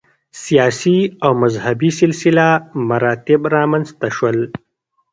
سیاسي او مذهبي سلسله مراتب رامنځته شول